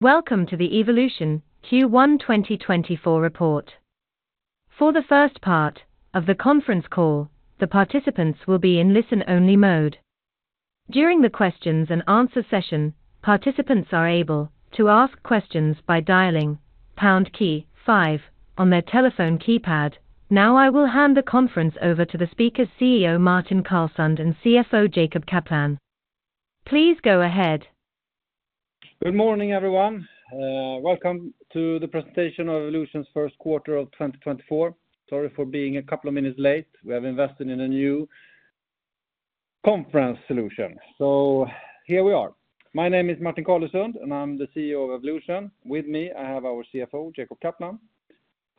Welcome to the Evolution Q1 2024 report. For the first part of the conference call, the participants will be in listen-only mode. During the questions and answer session, participants are able to ask questions by dialing pound key five on their telephone keypad. Now, I will hand the conference over to the speaker, CEO Martin Carlesund and CFO Jacob Kaplan. Please go ahead. Good morning, everyone. Welcome to the presentation of Evolution's first quarter of 2024. Sorry for being a couple of minutes late. We have invested in a new conference solution. So here we are. My name is Martin Carlesund, and I'm the CEO of Evolution. With me, I have our CFO, Jacob Kaplan.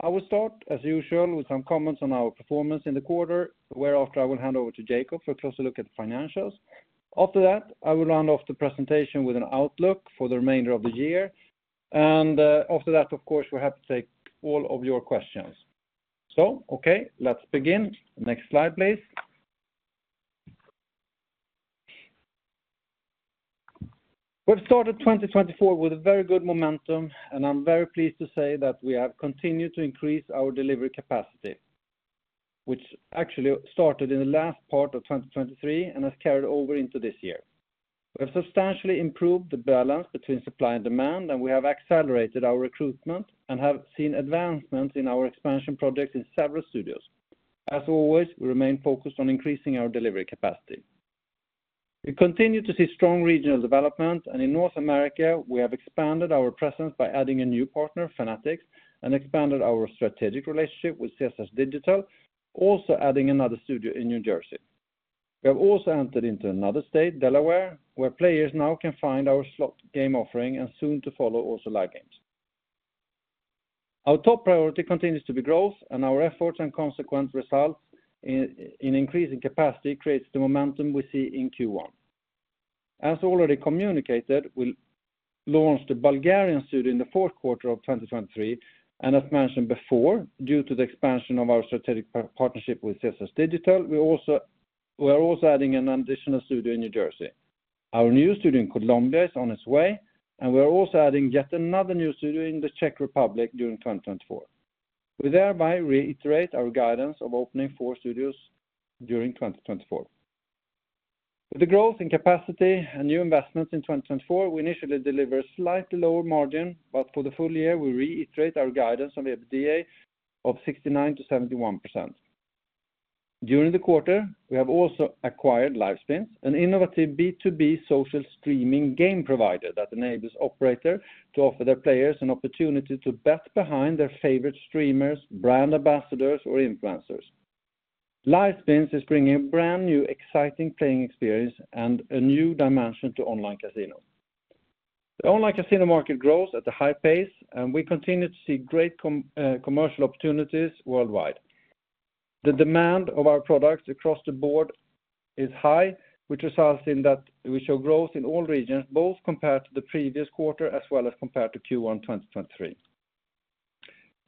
I will start, as usual, with some comments on our performance in the quarter, whereafter I will hand over to Jacob for a closer look at the financials. After that, I will round off the presentation with an outlook for the remainder of the year, and after that, of course, we're happy to take all of your questions. So okay, let's begin. Next slide, please. We've started 2024 with a very good momentum, and I'm very pleased to say that we have continued to increase our delivery capacity, which actually started in the last part of 2023 and has carried over into this year. We have substantially improved the balance between supply and demand, and we have accelerated our recruitment and have seen advancements in our expansion projects in several studios. As always, we remain focused on increasing our delivery capacity. We continue to see strong regional development, and in North America, we have expanded our presence by adding a new partner, Fanatics, and expanded our strategic relationship with GAN Limited, also adding another studio in New Jersey. We have also entered into another state, Delaware, where players now can find our slot game offering, and soon to follow, also live games. Our top priority continues to be growth, and our efforts and consequent results in increasing capacity creates the momentum we see in Q1. As already communicated, we launched a Bulgarian studio in the fourth quarter of 2023, and as mentioned before, due to the expansion of our strategic partnership with GAN Limited, we are also adding an additional studio in New Jersey. Our new studio in Colombia is on its way, and we are also adding yet another new studio in the Czech Republic during 2024. We thereby reiterate our guidance of opening four studios during 2024. With the growth in capacity and new investments in 2024, we initially deliver a slightly lower margin, but for the full year, we reiterate our guidance on the EBITDA of 69%-71%. During the quarter, we have also acquired Livespins, an innovative B2B social streaming game provider that enables operators to offer their players an opportunity to bet behind their favorite streamers, brand ambassadors, or influencers. Livespins is bringing a brand new, exciting playing experience and a new dimension to online casino. The online casino market grows at a high pace, and we continue to see great commercial opportunities worldwide. The demand of our products across the board is high, which results in that we show growth in all regions, both compared to the previous quarter as well as compared to Q1 2023.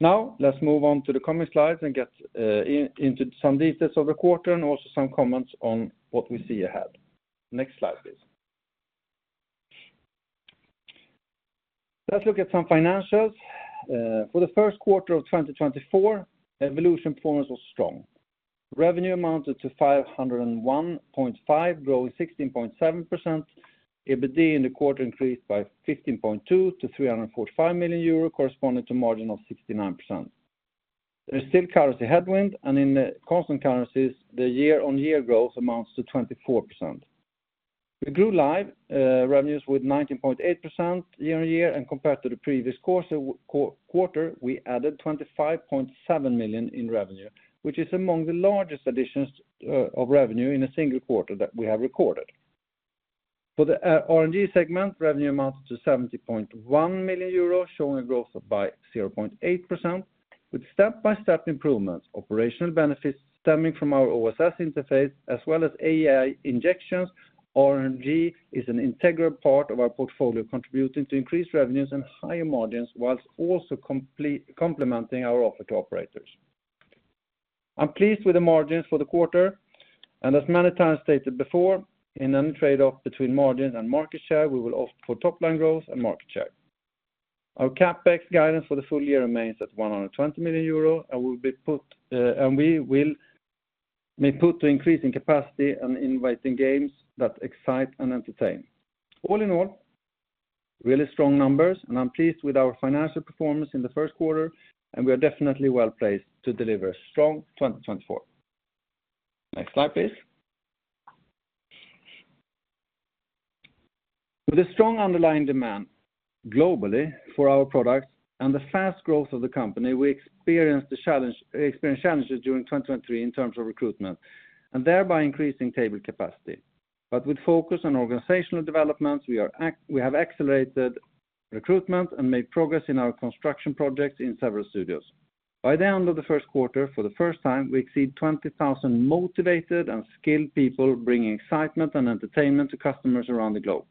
Now, let's move on to the coming slides and get into some details of the quarter and also some comments on what we see ahead. Next slide, please. Let's look at some financials. For the first quarter of 2024, Evolution performance was strong. Revenue amounted to 501.5 million, growing 16.7%. EBITDA in the quarter increased by 15.2 million to 345 million euro, corresponding to a margin of 69%. There's still currency headwind, and in the constant currencies, the year-on-year growth amounts to 24%. We grew live revenues with 19.8% year-on-year, and compared to the previous quarter, we added 25.7 million in revenue, which is among the largest additions of revenue in a single quarter that we have recorded. For the RNG segment, revenue amounts to 70.1 million euros, showing a growth by 0.8%, with step-by-step improvements, operational benefits stemming from our OSS interface, as well as AI injections. RNG is an integral part of our portfolio, contributing to increased revenues and higher margins, while also complementing our offer to operators. I'm pleased with the margins for the quarter, and as many times stated before, in any trade-off between margin and market share, we will opt for top line growth and market share. Our CapEx guidance for the full year remains at 120 million euro, and will be put to increasing capacity and inviting games that excite and entertain. All in all, really strong numbers, and I'm pleased with our financial performance in the first quarter, and we are definitely well-placed to deliver a strong 2024. Next slide, please. With a strong underlying demand globally for our products and the fast growth of the company, we experienced challenges during 2023 in terms of recruitment, and thereby increasing table capacity. But with focus on organizational developments, we have accelerated recruitment and made progress in our construction projects in several studios. By the end of the first quarter, for the first time, we exceed 20,000 motivated and skilled people, bringing excitement and entertainment to customers around the globe.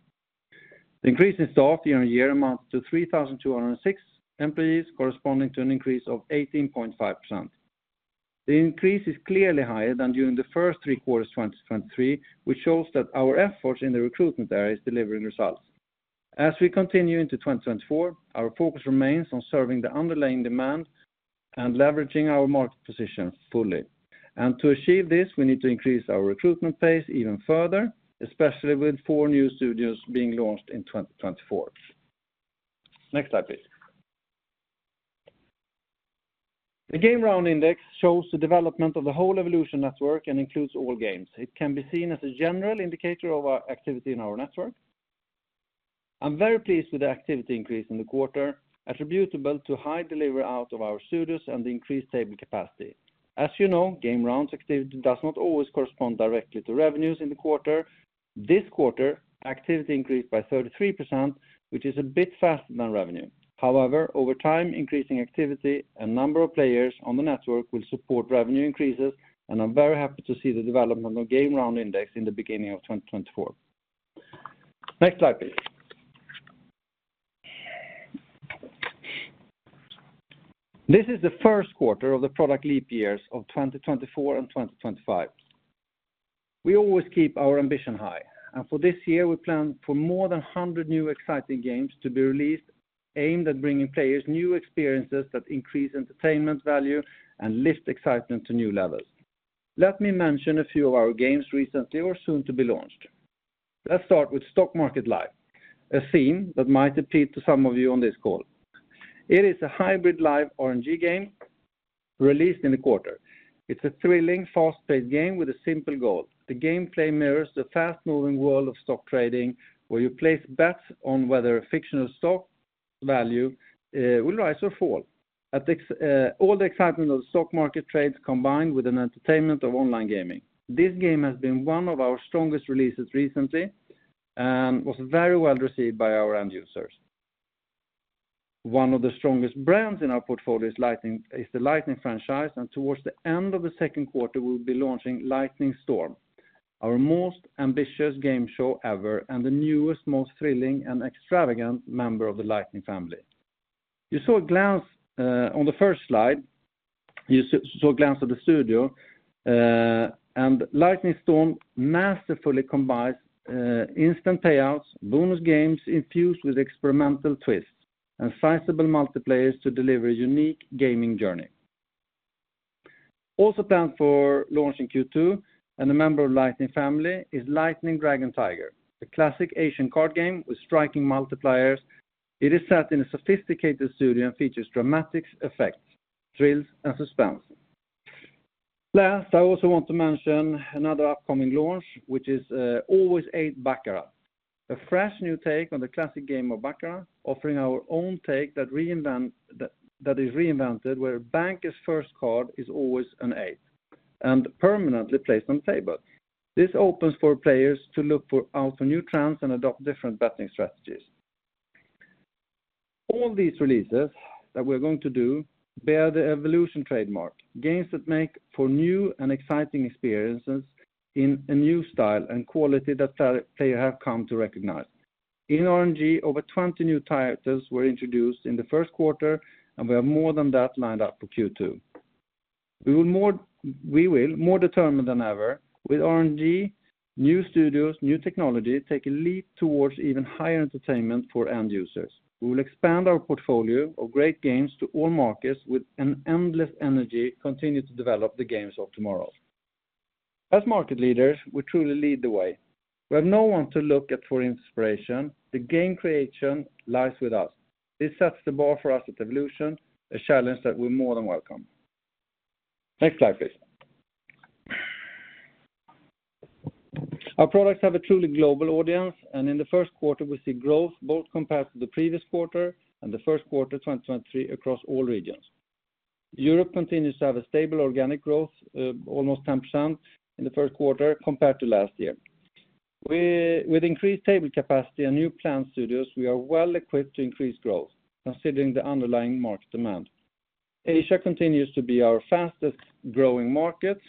The increase in staff year-on-year amounts to 3,206 employees, corresponding to an increase of 18.5%. The increase is clearly higher than during the first three quarters of 2023, which shows that our efforts in the recruitment area is delivering results. As we continue into 2024, our focus remains on serving the underlying demand and leveraging our market position fully. To achieve this, we need to increase our recruitment pace even further, especially with 4 new studios being launched in 2024. Next slide, please. The Game Round Index shows the development of the whole Evolution network and includes all games. It can be seen as a general indicator of our activity in our network. I'm very pleased with the activity increase in the quarter, attributable to high delivery out of our studios and the increased table capacity. As you know, game rounds activity does not always correspond directly to revenues in the quarter. This quarter, activity increased by 33%, which is a bit faster than revenue. However, over time, increasing activity and number of players on the network will support revenue increases, and I'm very happy to see the development of Game Round Index in the beginning of 2024. Next slide, please. This is the first quarter of the Product Leap Years of 2024 and 2025. We always keep our ambition high, and for this year, we plan for more than 100 new exciting games to be released, aimed at bringing players new experiences that increase entertainment value and lift excitement to new levels. Let me mention a few of our games recently or soon to be launched. Let's start with Stock Market Live, a theme that might appeal to some of you on this call. It is a hybrid live RNG game released in the quarter. It's a thrilling, fast-paced game with a simple goal. The gameplay mirrors the fast-moving world of stock trading, where you place bets on whether a fictional stock value will rise or fall. All the excitement of stock market trades combined with an entertainment of online gaming. This game has been one of our strongest releases recently and was very well received by our end users. One of the strongest brands in our portfolio is the Lightning franchise, and towards the end of the second quarter, we'll be launching Lightning Storm, our most ambitious game show ever, and the newest, most thrilling and extravagant member of the Lightning family. You saw a glance of the studio on the first slide, and Lightning Storm masterfully combines instant payouts, bonus games infused with experimental twists, and sizable multipliers to deliver a unique gaming journey. Also planned for launch in Q2, and a member of Lightning family, is Lightning Dragon Tiger, a classic Asian card game with striking multipliers. It is set in a sophisticated studio and features dramatic effects, thrills, and suspense. Last, I also want to mention another upcoming launch, which is Always 8 Baccarat, a fresh new take on the classic game of baccarat, offering our own take that is reinvented, where a banker's first card is always an eight and permanently placed on table. This opens for players to look out for new trends and adopt different betting strategies. All these releases that we're going to do bear the Evolution trademark, games that make for new and exciting experiences in a new style and quality that player have come to recognize. In RNG, over 20 new titles were introduced in the first quarter, and we have more than that lined up for Q2. We will, more determined than ever, with RNG, new studios, new technology, take a leap towards even higher entertainment for end users. We will expand our portfolio of great games to all markets with an endless energy, continue to develop the games of tomorrow. As market leaders, we truly lead the way. We have no one to look at for inspiration. The game creation lies with us. This sets the bar for us at Evolution, a challenge that we more than welcome. Next slide, please. Our products have a truly global audience, and in the first quarter, we see growth both compared to the previous quarter and the first quarter 2023 across all regions. Europe continues to have a stable organic growth, almost 10% in the first quarter compared to last year. With increased table capacity and new planned studios, we are well equipped to increase growth, considering the underlying market demand. Asia continues to be our fastest-growing market,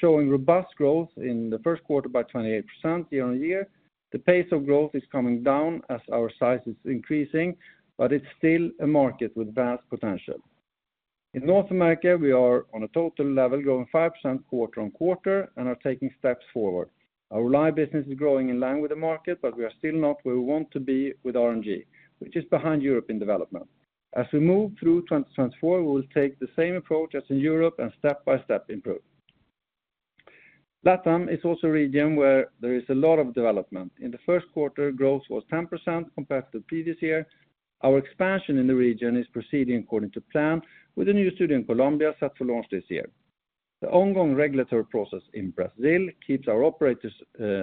showing robust growth in the first quarter by 28% year-on-year. The pace of growth is coming down as our size is increasing, but it's still a market with vast potential. In North America, we are on a total level, growing 5% quarter-on-quarter and are taking steps forward. Our live business is growing in line with the market, but we are still not where we want to be with RNG, which is behind Europe in development. As we move through 2024, we will take the same approach as in Europe and step-by-step improve. LATAM is also a region where there is a lot of development. In the first quarter, growth was 10% compared to the previous year. Our expansion in the region is proceeding according to plan, with a new studio in Colombia set to launch this year. The ongoing regulatory process in Brazil keeps our operators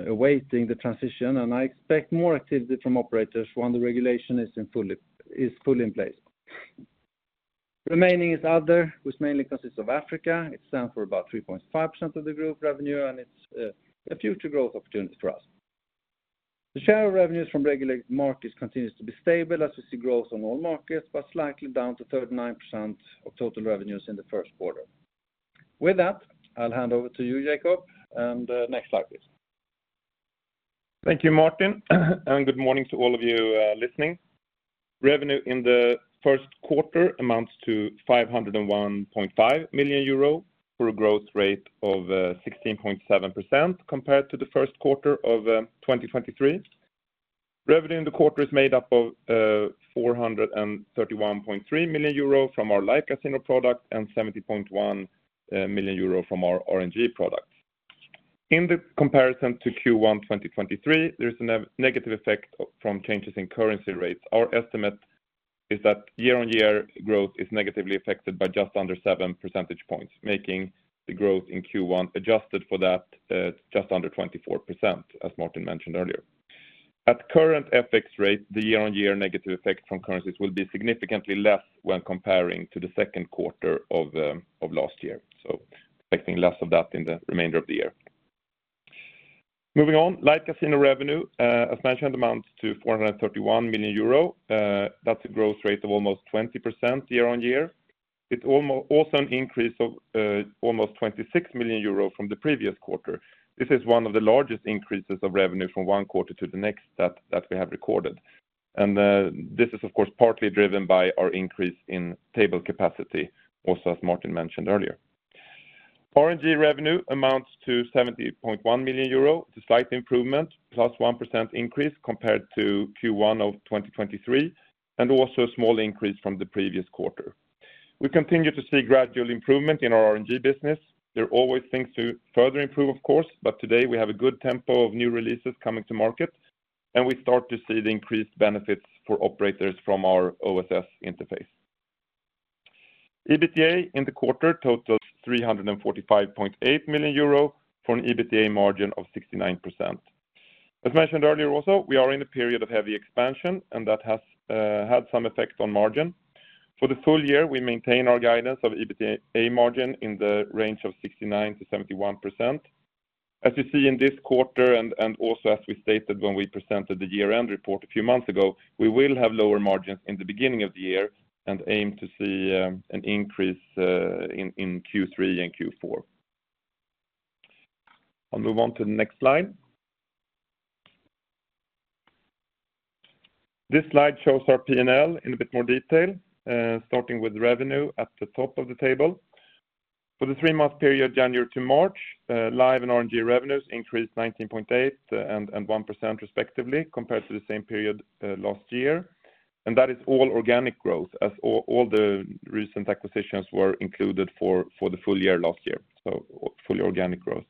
awaiting the transition, and I expect more activity from operators when the regulation is fully in place. Remaining is other, which mainly consists of Africa. It stands for about 3.5% of the group revenue, and it's a future growth opportunity for us. The share of revenues from regulated markets continues to be stable as we see growth on all markets, but slightly down to 39% of total revenues in the first quarter. With that, I'll hand over to you, Jacob, and next slide, please. Thank you, Martin, and good morning to all of you, listening. Revenue in the first quarter amounts to 501.5 million euro, for a growth rate of 16.7%, compared to the first quarter of 2023. Revenue in the quarter is made up of 431.3 million euro from our Live Casino product and 70.1 million euro from our RNG product. In the comparison to Q1 2023, there's a negative effect from changes in currency rates. Our estimate is that year-on-year growth is negatively affected by just under seven percentage points, making the growth in Q1 adjusted for that, just under 24%, as Martin mentioned earlier. At current FX rate, the year-on-year negative effect from currencies will be significantly less when comparing to the second quarter of last year, so expecting less of that in the remainder of the year. Moving on, Live Casino revenue, as mentioned, amounts to 431 million euro. That's a growth rate of almost 20% year-on-year. It's also an increase of almost 26 million euro from the previous quarter. This is one of the largest increases of revenue from one quarter to the next that we have recorded. This is, of course, partly driven by our increase in table capacity, also, as Martin mentioned earlier. RNG revenue amounts to 70.1 million euro. It's a slight improvement, +1% increase compared to Q1 of 2023, and also a small increase from the previous quarter. We continue to see gradual improvement in our RNG business. There are always things to further improve, of course, but today we have a good tempo of new releases coming to market, and we start to see the increased benefits for operators from our OSS interface. EBITDA in the quarter totals 345.8 million euro, for an EBITDA margin of 69%. As mentioned earlier, also, we are in a period of heavy expansion, and that has had some effect on margin. For the full year, we maintain our guidance of EBITDA margin in the range of 69%-71%. As you see in this quarter, and also as we stated when we presented the year-end report a few months ago, we will have lower margins in the beginning of the year and aim to see an increase in Q3 and Q4. I'll move on to the next slide. This slide shows our P&L in a bit more detail, starting with revenue at the top of the table. For the three-month period, January to March, Live and RNG revenues increased 19.8% and 1%, respectively, compared to the same period last year. That is all organic growth, as all the recent acquisitions were included for the full year last year, so fully organic growth.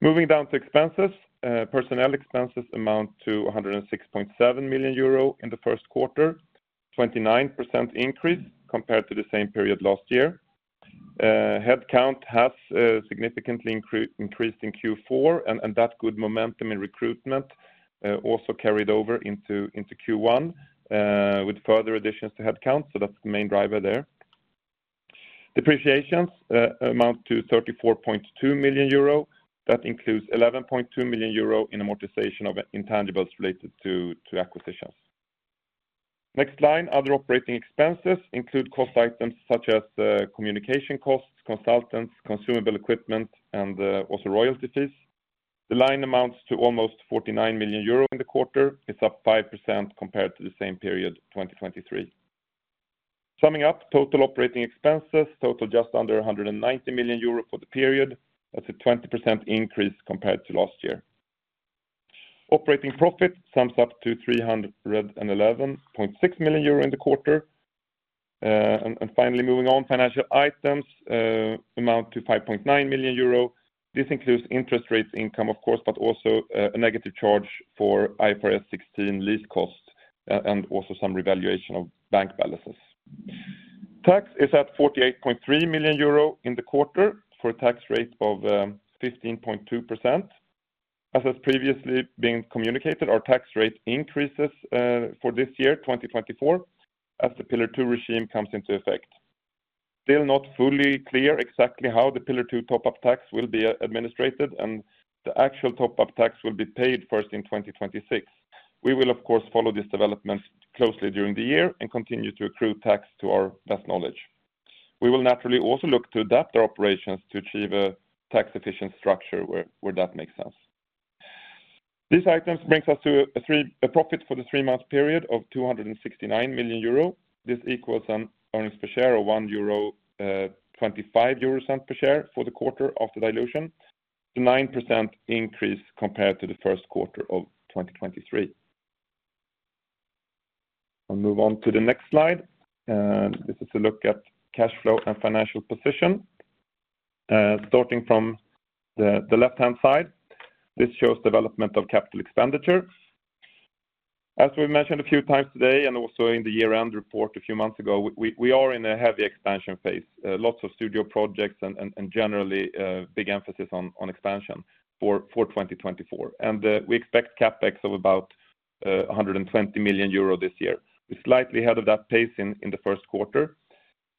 Moving down to expenses, personnel expenses amount to 106.7 million euro in the first quarter, 29% increase compared to the same period last year. Headcount has significantly increased in Q4, and that good momentum in recruitment also carried over into Q1 with further additions to headcount, so that's the main driver there. Depreciations amount to 34.2 million euro. That includes 11.2 million euro in amortization of intangibles related to acquisitions. Next line, other operating expenses include cost items such as communication costs, consultants, consumable equipment, and also royalties. The line amounts to almost 49 million euro in the quarter. It's up 5% compared to the same period, 2023. Summing up, total operating expenses total just under 190 million euro for the period. That's a 20% increase compared to last year. Operating profit sums up to 311.6 million euro in the quarter. And finally, moving on, financial items amount to 5.9 million euro. This includes interest rates income, of course, but also a negative charge for IFRS 16 lease costs and also some revaluation of bank balances. Tax is at 48.3 million euro in the quarter, for a tax rate of 15.2%. As has previously been communicated, our tax rate increases for this year, 2024, as the Pillar Two regime comes into effect. Still not fully clear exactly how the Pillar Two top-up tax will be administered, and the actual top-up tax will be paid first in 2026. We will, of course, follow this development closely during the year and continue to accrue tax to our best knowledge. We will naturally also look to adapt our operations to achieve a tax-efficient structure where that makes sense. These items brings us to a profit for the three-month period of 269 million euro. This equals an earnings per share of 1.25 euro per share for the quarter of the dilution, a 9% increase compared to the first quarter of 2023. I'll move on to the next slide. This is a look at cash flow and financial position. Starting from the left-hand side, this shows development of capital expenditures. As we've mentioned a few times today, and also in the year-end report a few months ago, we are in a heavy expansion phase. Lots of studio projects and generally a big emphasis on expansion for 2024. We expect CapEx of about 120 million euro this year. We're slightly ahead of that pace in the first quarter.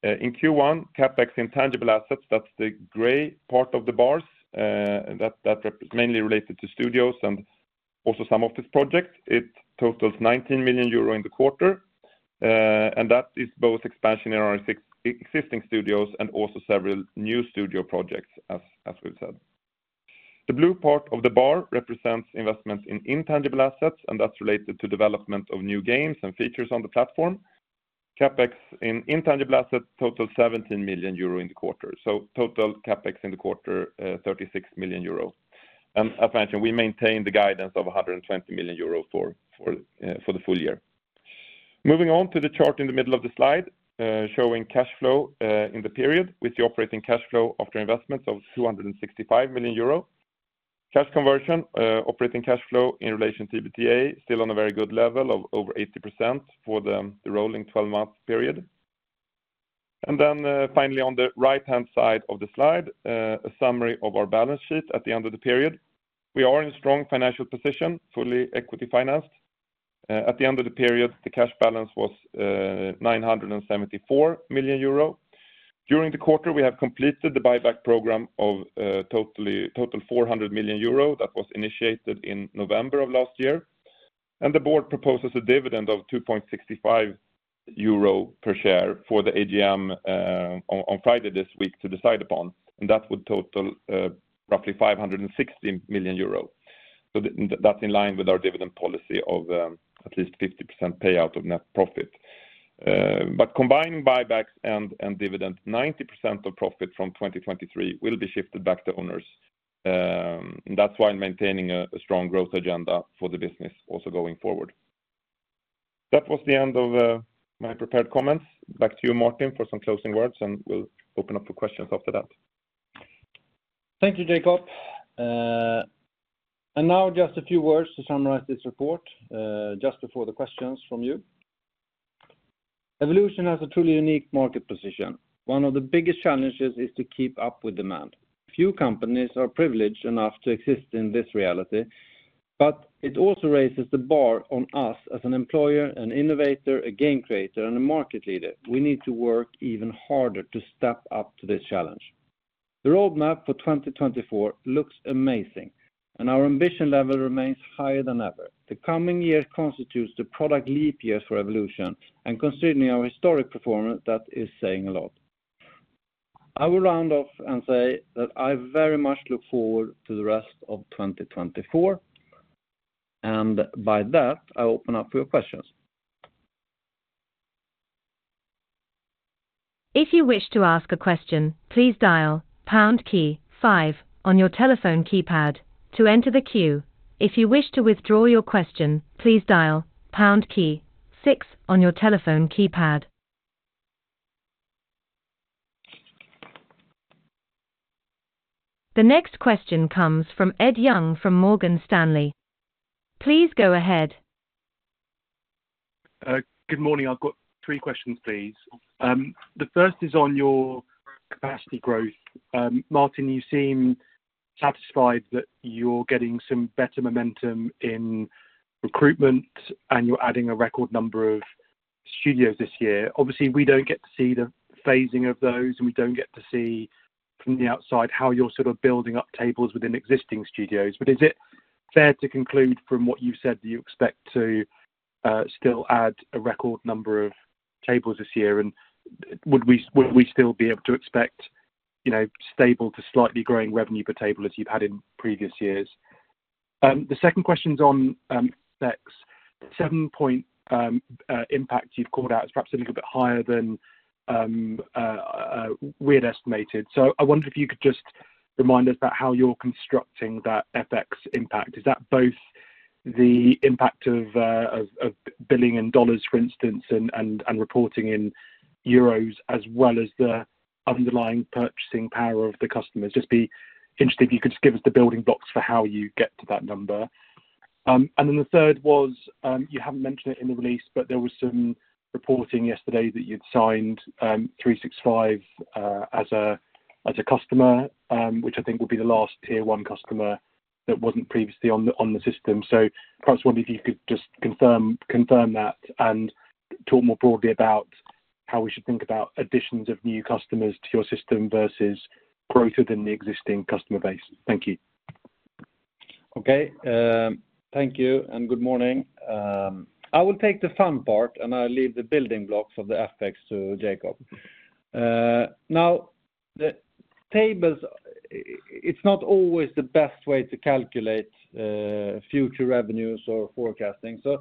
In Q1, CapEx intangible assets, that's the gray part of the bars, mainly related to studios and also some office projects. It totals 19 million euro in the quarter, and that is both expansion in our existing studios and also several new studio projects, as we've said. The blue part of the bar represents investments in intangible assets, and that's related to development of new games and features on the platform. CapEx in intangible assets total 17 million euro in the quarter, so total CapEx in the quarter, 36 million euro. And as mentioned, we maintain the guidance of 120 million euro for the full year. Moving on to the chart in the middle of the slide, showing cash flow in the period, with the operating cash flow after investments of 265 million euro. Cash conversion, operating cash flow in relation to EBITDA, still on a very good level of over 80% for the rolling twelve-month period. And then, finally, on the right-hand side of the slide, a summary of our balance sheet at the end of the period. We are in a strong financial position, fully equity financed. At the end of the period, the cash balance was 974 million euro. During the quarter, we have completed the buyback program of total 400 million euro that was initiated in November of last year. The board proposes a dividend of 2.65 euro per share for the AGM on Friday this week to decide upon, and that would total roughly 560 million euros. That's in line with our dividend policy of at least 50% payout of net profit. But combining buybacks and dividends, 90% of profit from 2023 will be shifted back to owners. That's why maintaining a strong growth agenda for the business also going forward. That was the end of my prepared comments. Back to you, Martin, for some closing words, and we'll open up for questions after that. Thank you, Jacob. Now just a few words to summarize this report, just before the questions from you. Evolution has a truly unique market position. One of the biggest challenges is to keep up with demand. Few companies are privileged enough to exist in this reality, but it also raises the bar on us as an employer, an innovator, a game creator, and a market leader. We need to work even harder to step up to this challenge. The roadmap for 2024 looks amazing, and our ambition level remains higher than ever. The coming year constitutes the product leap year for Evolution, and considering our historic performance, that is saying a lot. I will round off and say that I very much look forward to the rest of 2024, and by that, I open up for your questions. If you wish to ask a question, please dial pound key five on your telephone keypad to enter the queue. If you wish to withdraw your question, please dial pound key six on your telephone keypad. The next question comes from Ed Young from Morgan Stanley. Please go ahead. Good morning. I've got three questions, please. The first is on your capacity growth. Martin, you seem satisfied that you're getting some better momentum in recruitment, and you're adding a record number of studios this year. Obviously, we don't get to see the phasing of those, and we don't get to see from the outside how you're sort of building up tables within existing studios. But is it fair to conclude from what you've said, that you expect to still add a record number of tables this year? And would we still be able to expect, you know, stable to slightly growing revenue per table as you've had in previous years? The second question is on FX effects. 7-point impact you've called out is perhaps a little bit higher than we had estimated. So I wonder if you could just remind us about how you're constructing that FX impact. Is that both the impact of billing in dollars, for instance, and reporting in euros, as well as the underlying purchasing power of the customers? Just be interested if you could just give us the building blocks for how you get to that number. And then the third was, you haven't mentioned it in the release, but there was some reporting yesterday that you'd signed bet365 as a customer, which I think will be the last tier one customer that wasn't previously on the system. Perhaps wondering if you could just confirm, confirm that and talk more broadly about how we should think about additions of new customers to your system versus growth within the existing customer base. Thank you. Okay, thank you and good morning. I will take the fun part, and I'll leave the building blocks of the FX to Jacob. Now, the tables, it's not always the best way to calculate future revenues or forecasting. So,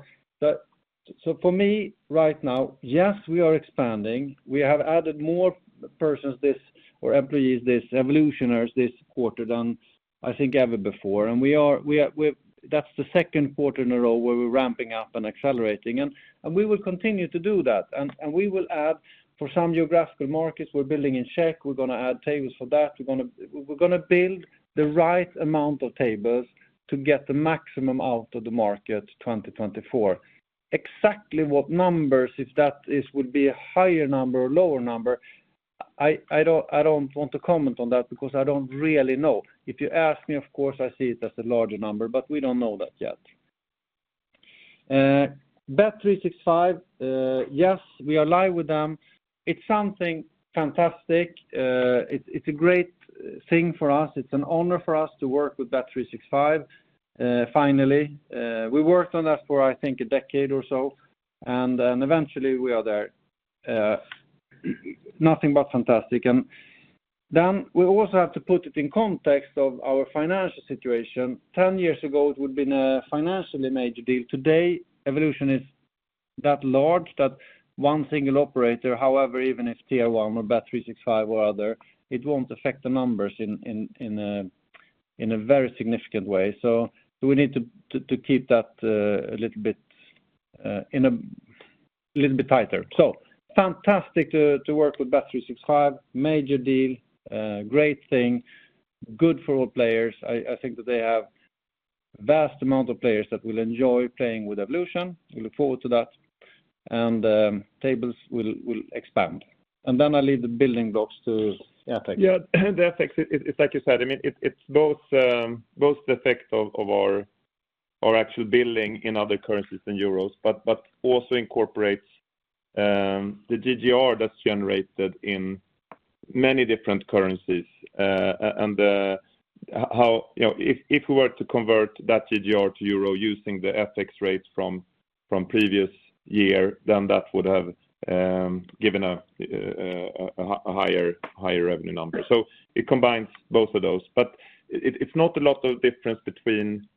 for me, right now, yes, we are expanding. We have added more persons this, or employees this, Evolutioners this quarter than, I think, ever before. And that's the second quarter in a row where we're ramping up and accelerating, and we will continue to do that. And we will add, for some geographical markets, we're building in Czech, we're gonna add tables for that. We're gonna build the right amount of tables to get the maximum out of the market, 2024. Exactly what numbers, if that is, would be a higher number or lower number, I don't want to comment on that because I don't really know. If you ask me, of course, I see it as a larger number, but we don't know that yet. bet365, yes, we are live with them. It's something fantastic. It's a great thing for us. It's an honor for us to work with bet365. Finally, we worked on that for, I think, a decade or so, and then eventually we are there. Nothing but fantastic. And then we also have to put it in context of our financial situation. 10 years ago, it would have been a financially major deal. Today, Evolution is that large, that one single operator, however, even if Tier One or bet365 or other, it won't affect the numbers in a very significant way. So we need to keep that a little bit in a little bit tighter. So fantastic to work with bet365, major deal, great thing, good for all players. I think that they have vast amount of players that will enjoy playing with Evolution. We look forward to that, and tables will expand. And then I leave the building blocks to the FX. Yeah, the FX, it, it's like you said, I mean, it's both the effect of our actual building in other currencies than euros, but also incorporates the GGR that's generated in many different currencies. And how you know, if we were to convert that GGR to euro using the FX rates from previous year, then that would have given a higher revenue number. So it combines both of those. But it's not a lot of difference between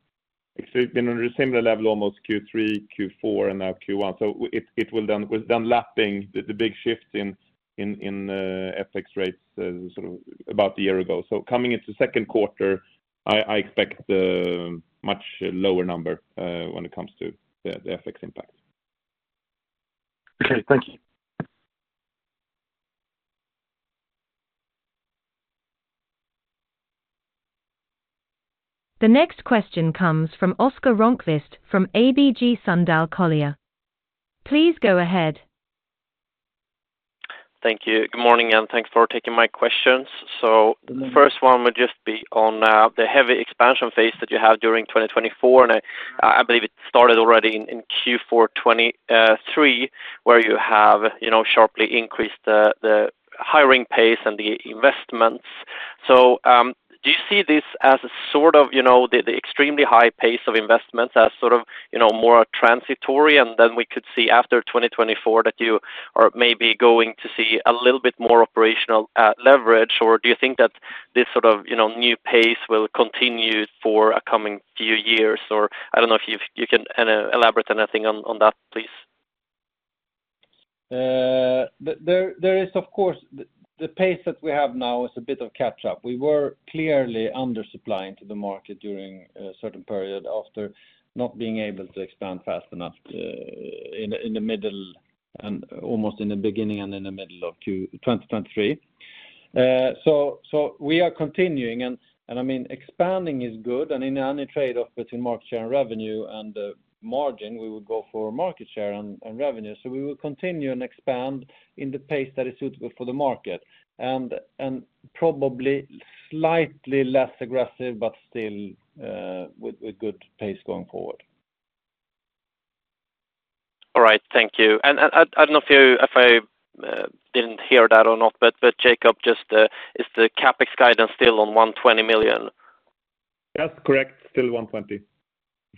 under a similar level, almost Q3, Q4, and now Q1. So it will then, with then lapping the big shift in FX rates, sort of about a year ago. So coming into second quarter, I expect the much lower number when it comes to the FX impact. Okay, thank you. The next question comes from Oscar Rönnqvist from ABG Sundal Collier. Please go ahead. Thank you. Good morning, and thanks for taking my questions. So the first one would just be on the heavy expansion phase that you have during 2024, and I believe it started already in Q4 2023, where you have, you know, sharply increased the hiring pace and the investments. So, do you see this as a sort of, you know, the extremely high pace of investments as sort of, you know, more transitory, and then we could see after 2024 that you are maybe going to see a little bit more operational leverage? Or do you think that this sort of, you know, new pace will continue for a coming few years? Or I don't know if you can elaborate anything on that, please. There is, of course, the pace that we have now is a bit of catch up. We were clearly under-supplying to the market during a certain period, after not being able to expand fast enough, in the middle and almost in the beginning and in the middle of 2023. So we are continuing, and I mean, expanding is good, and in any trade-off between market share and revenue and margin, we would go for market share and revenue. So we will continue and expand in the pace that is suitable for the market, and probably slightly less aggressive, but still, with good pace going forward. All right, thank you. I don't know if you—if I didn't hear that or not, but Jacob, just, is the CapEx guidance still on 120 million? That's correct, still 120 million,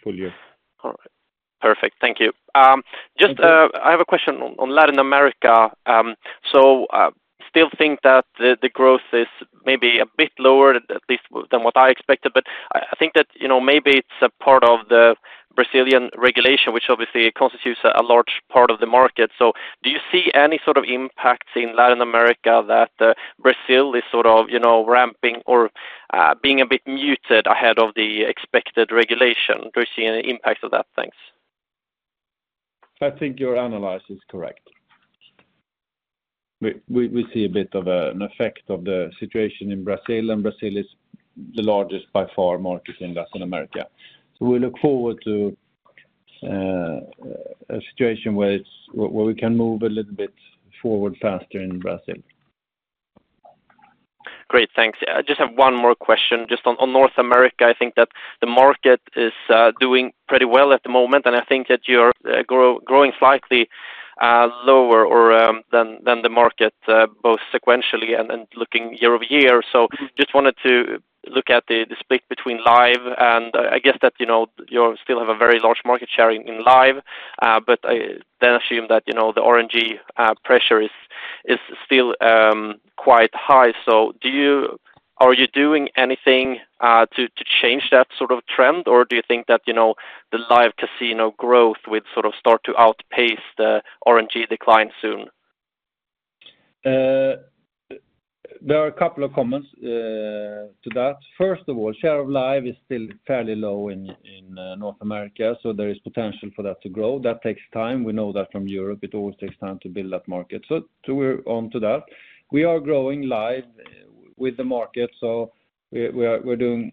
full year. All right. Perfect. Thank you. Just, I have a question on, on Latin America. So, still think that the, the growth is maybe a bit lower, at least than what I expected, but I, I think that, you know, maybe it's a part of the Brazilian regulation, which obviously constitutes a, a large part of the market. So do you see any sort of impacts in Latin America that, Brazil is sort of, you know, ramping or, being a bit muted ahead of the expected regulation? Do you see any impacts of that? Thanks. I think your analysis is correct. We see a bit of an effect of the situation in Brazil, and Brazil is the largest, by far, market in Latin America. So we look forward to a situation where it's where we can move a little bit forward faster in Brazil. Great, thanks. I just have one more question, just on North America. I think that the market is doing pretty well at the moment, and I think that you're growing slightly lower than the market both sequentially and looking year-over-year. So just wanted to look at the split between live, and I guess that, you know, you still have a very large market share in live, but I then assume that, you know, the RNG pressure is still quite high. So are you doing anything to change that sort of trend? Or do you think that, you know, the live casino growth will sort of start to outpace the RNG decline soon? There are a couple of comments to that. First of all, share of live is still fairly low in North America, so there is potential for that to grow. That takes time. We know that from Europe, it always takes time to build that market. So we're on to that. We are growing live with the market, so we're doing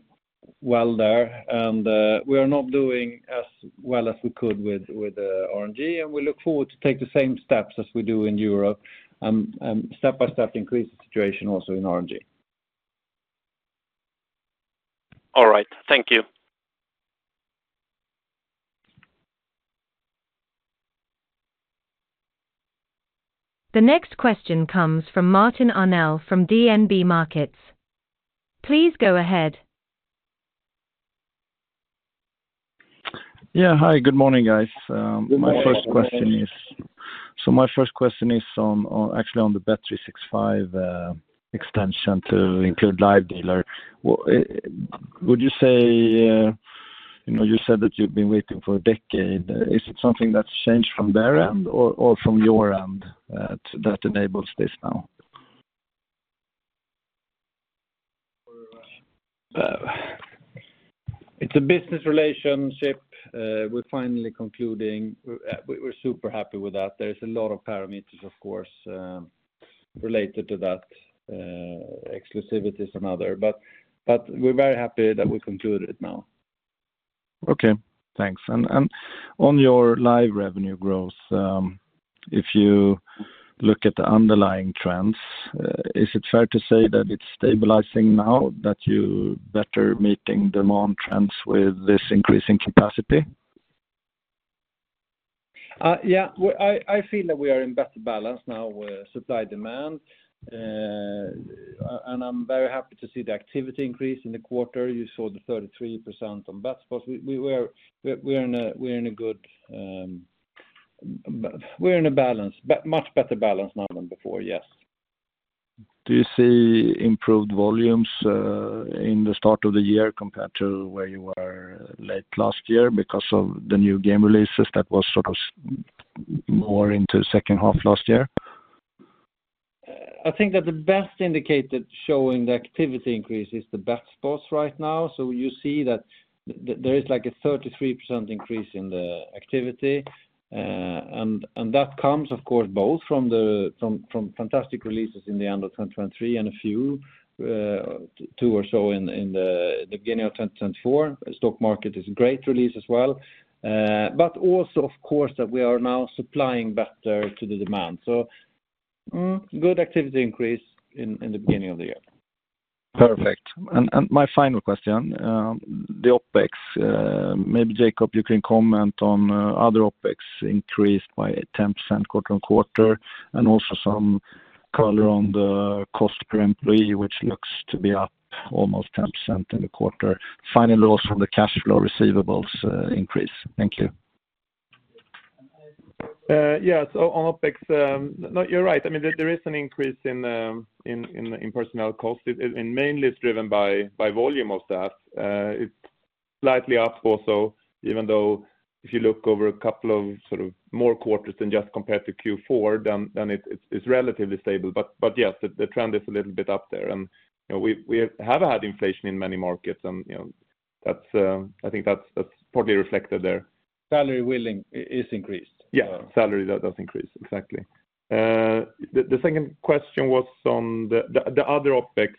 well there, and we are not doing as well as we could with RNG, and we look forward to take the same steps as we do in Europe, and step by step, increase the situation also in RNG. All right. Thank you. The next question comes from Martin Arnell from DNB Markets. Please go ahead. Yeah, hi, good morning, guys. My first question is, so my first question is on, actually on the bet365 extension to include live dealer. Would you say, you know, you said that you've been waiting for a decade. Is it something that's changed from their end or from your end that enables this now? It's a business relationship. We're finally concluding. We're super happy with that. There's a lot of parameters, of course, related to that, exclusivities and other. But we're very happy that we concluded it now. Okay, thanks. And on your live revenue growth, if you look at the underlying trends, is it fair to say that it's stabilizing now, that you better meeting demand trends with this increasing capacity? Yeah. Well, I feel that we are in better balance now with supply-demand. And I'm very happy to see the activity increase in the quarter. You saw the 33% on Bet spots. We're in a good balance, but much better balance now than before, yes. Do you see improved volumes in the start of the year compared to where you were late last year because of the new game releases that was sort of more into second half last year? I think that the best indicator showing the activity increase is the Bet spots right now. So you see that there is like a 33% increase in the activity. And that comes, of course, both from fantastic releases in the end of 2023, and a few, two or so in the beginning of 2024. Stock market is a great release as well. But also, of course, that we are now supplying better to the demand. So, good activity increase in the beginning of the year. Perfect. My final question, the OpEx, maybe, Jacob, you can comment on, other OpEx increased by 10% quarter-over-quarter, and also some color on the cost per employee, which looks to be up almost 10% in the quarter, financing loss from the cash flow receivables increase. Thank you. Yeah, so on OpEx, no, you're right. I mean, there is an increase in personnel costs, and mainly it's driven by volume of that. It's slightly up also, even though if you look over a couple of sort of more quarters than just compared to Q4, then it's relatively stable. But yes, the trend is a little bit up there. And, you know, we have had inflation in many markets, and, you know, that's, I think that's partly reflected there. Salary ceiling is increased? Yeah, salary, that does increase. Exactly. The second question was on the other OpEx.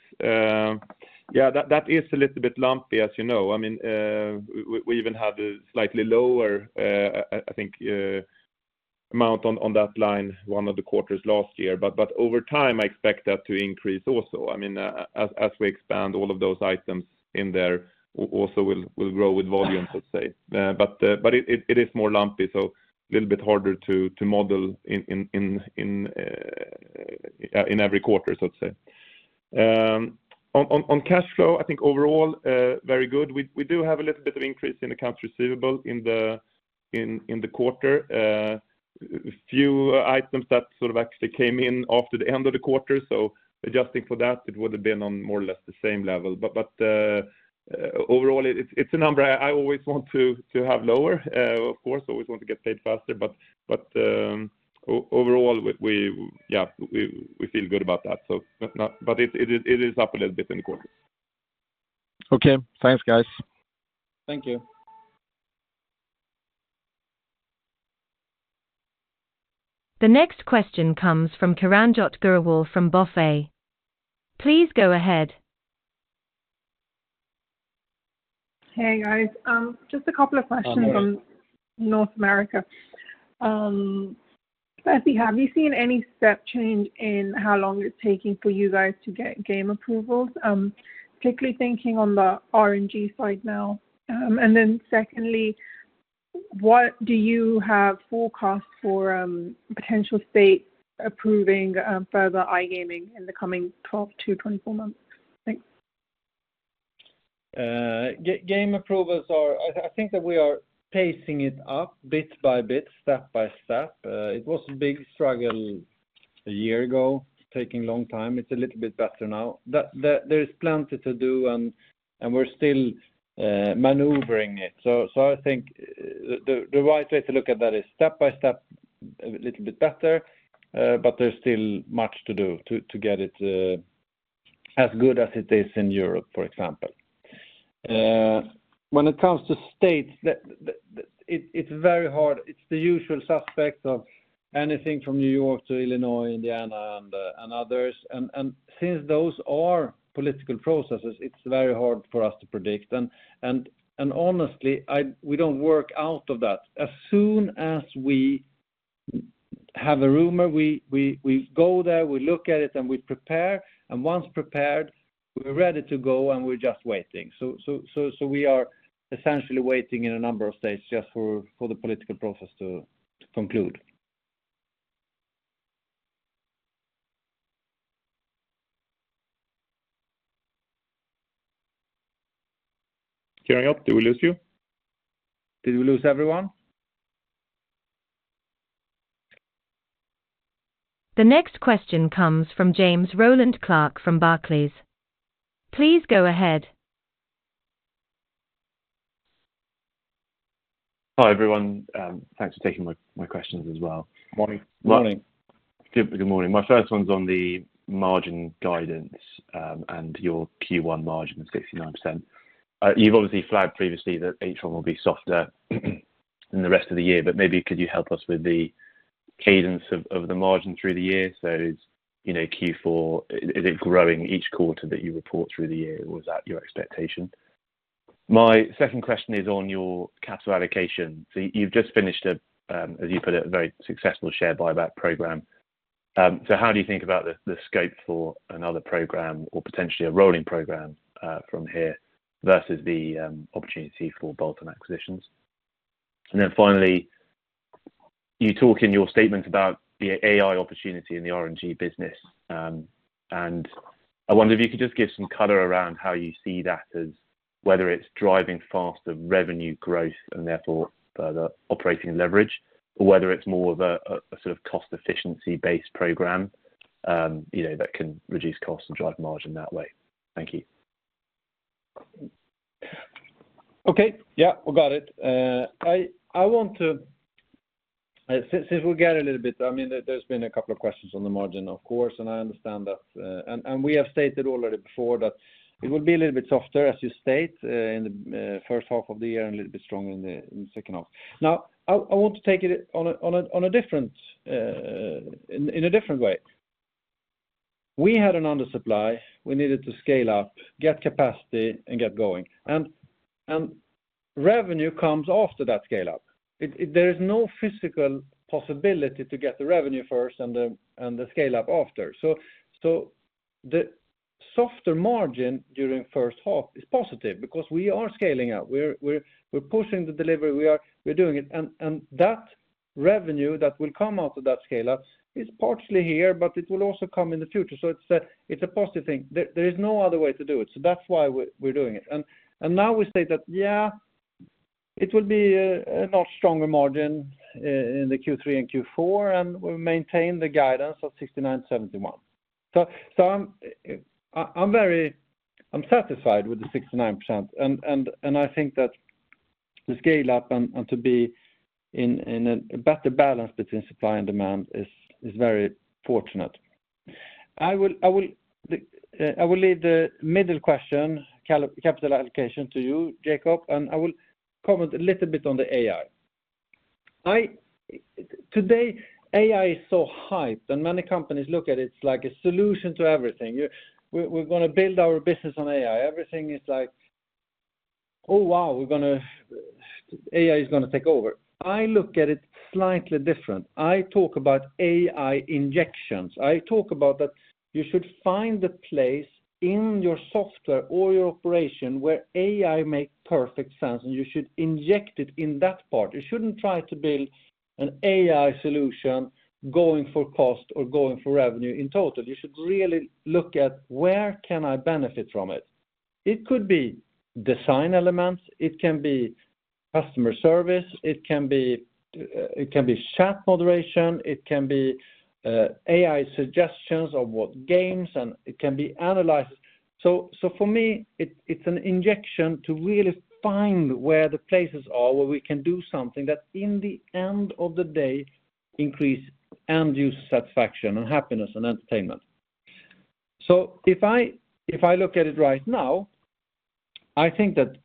Yeah, that is a little bit lumpy, as you know. I mean, we even had a slightly lower, I think, amount on that line, one of the quarters last year. But over time, I expect that to increase also. I mean, as we expand all of those items in there, we also will grow with volume, let's say. But it is more lumpy, so a little bit harder to model in every quarter, so to say. On cash flow, I think overall, very good. We do have a little bit of increase in accounts receivable in the quarter. A few items that sort of actually came in after the end of the quarter, so adjusting for that, it would have been on more or less the same level. But overall, it's a number I always want to have lower. Of course, I always want to get paid faster, but overall, yeah, we feel good about that, so, but not, but it is up a little bit in quarters. Okay. Thanks, guys. Thank you. The next question comes from Karanjot Grewal from BofA. Please go ahead. Hey, guys. Just a couple of questions on North America. Firstly, have you seen any step change in how long it's taking for you guys to get game approvals? Particularly thinking on the RNG side now. And then secondly, what do you have forecast for, potential states approving, further iGaming in the coming 12-24 months? Thanks. Game approvals are—I think that we are pacing it up bit by bit, step by step. It was a big struggle a year ago, taking long time. It's a little bit better now. There is plenty to do, and we're still maneuvering it. I think the right way to look at that is step by step, a little bit better, but there's still much to do to get it as good as it is in Europe, for example. When it comes to states, it's very hard. It's the usual suspect of anything from New York to Illinois, Indiana, and others. And honestly, we don't work out of that. As soon as we have a rumor, we go there, we look at it, and we prepare. And once prepared... We're ready to go, and we're just waiting. So we are essentially waiting in a number of states just for the political process to conclude. Carrying on. Did we lose you? Did we lose everyone? The next question comes from James Rowland-Clark from Barclays. Please go ahead. Hi, everyone. Thanks for taking my questions as well. Morning. Morning. Good morning. My first one's on the margin guidance, and your Q1 margin of 69%. You've obviously flagged previously that H1 will be softer than the rest of the year, but maybe could you help us with the cadence of the margin through the year? So, you know, Q4, is it growing each quarter that you report through the year, or is that your expectation? My second question is on your capital allocation. So you've just finished a, as you put it, a very successful share buyback program. So how do you think about the scope for another program or potentially a rolling program, from here versus the opportunity for bolt-on acquisitions? And then finally, you talk in your statement about the AI opportunity in the RNG business. I wonder if you could just give some color around how you see that as whether it's driving faster revenue growth and therefore further operating leverage, or whether it's more of a, a sort of cost efficiency-based program, you know, that can reduce costs and drive margin that way. Thank you. Okay. Yeah, we got it. I want to—since we got a little bit, I mean, there's been a couple of questions on the margin, of course, and I understand that. And we have stated already before that it would be a little bit softer, as you state, in the first half of the year, and a little bit stronger in the second half. Now, I want to take it in a different way. We had an undersupply. We needed to scale up, get capacity, and get going. And revenue comes after that scale up. There is no physical possibility to get the revenue first and the scale up after. So the softer margin during first half is positive because we are scaling up. We're pushing the delivery. We're doing it. And that revenue that will come out of that scale up is partially here, but it will also come in the future, so it's a positive thing. There is no other way to do it, so that's why we're doing it. And now we say that, yeah, it will be a not stronger margin in the Q3 and Q4, and we maintain the guidance of 69-71. So I'm very satisfied with the 69%, and I think that the scale up and to be in a better balance between supply and demand is very fortunate. I will leave the middle question, capital allocation to you, Jacob, and I will comment a little bit on the AI. Today, AI is so hyped, and many companies look at it like a solution to everything. We're gonna build our business on AI. Everything is like, "Oh, wow, we're gonna. AI is gonna take over." I look at it slightly different. I talk about AI injections. I talk about that you should find the place in your software or your operation where AI make perfect sense, and you should inject it in that part. You shouldn't try to build an AI solution going for cost or going for revenue in total. You should really look at where can I benefit from it? It could be design elements, it can be customer service, it can be chat moderation, it can be AI suggestions of what games, and it can be analysis. So, so for me, it's, it's an injection to really find where the places are, where we can do something that, in the end of the day, increase end user satisfaction and happiness and entertainment. So if I, if I look at it right now, I think that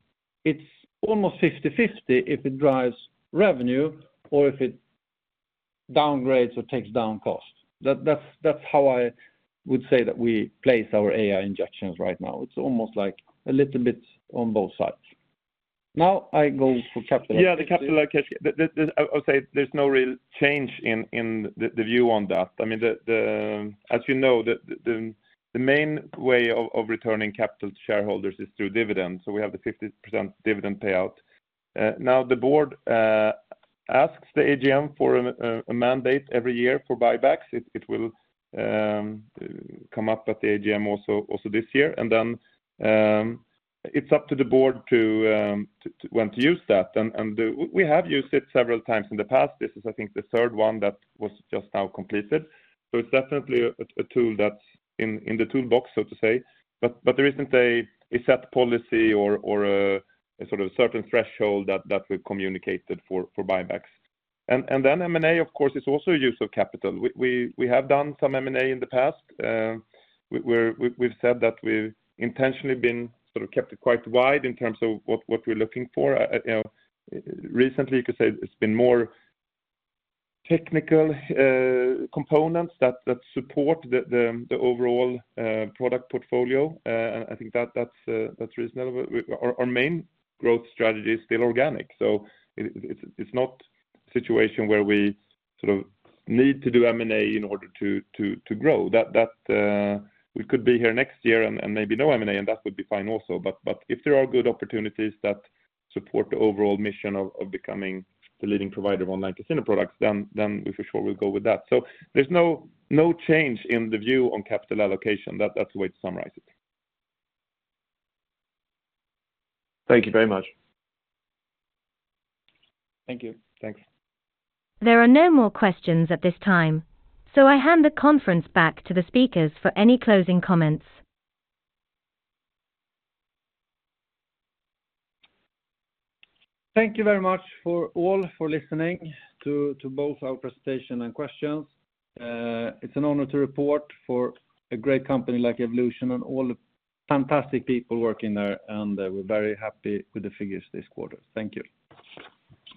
it's almost 50/50, if it drives revenue or if it downgrades or takes down cost. That's, that's how I would say that we place our AI injections right now. It's almost like a little bit on both sides. Now I go for capital. Yeah, the capital allocation. I would say there's no real change in the view on that. I mean, as you know, the main way of returning capital to shareholders is through dividends, so we have a 50% dividend payout. Now, the board asks the AGM for a mandate every year for buybacks. It will come up at the AGM also this year, and then it's up to the board to want to use that. And we have used it several times in the past. This is, I think, the third one that was just now completed. So it's definitely a tool that's in the toolbox, so to say, but there isn't a set policy or a sort of certain threshold that we've communicated for buybacks. And then M&A, of course, is also use of capital. We have done some M&A in the past. We've said that we've intentionally been sort of kept it quite wide in terms of what we're looking for. You know, recently, you could say it's been more technical components that support the overall product portfolio. I think that's reasonable. But our main growth strategy is still organic, so it's not situation where we sort of need to do M&A in order to grow. That we could be here next year and maybe no M&A, and that would be fine also. But if there are good opportunities that support the overall mission of becoming the leading provider of online casino products, then we for sure will go with that. So there's no change in the view on capital allocation. That's the way to summarize it. Thank you very much. Thank you. Thanks. There are no more questions at this time, so I hand the conference back to the speakers for any closing comments. Thank you very much to all for listening to both our presentation and questions. It's an honor to work for a great company like Evolution and all the fantastic people working there, and we're very happy with the figures this quarter. Thank you.